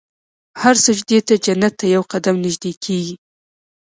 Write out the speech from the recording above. هر سجدې ته جنت ته یو قدم نژدې کېږي.